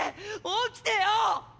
起きてよ！